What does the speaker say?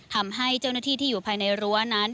ทำให้เจ้าหน้าที่ที่อยู่ภายในรั้วนั้น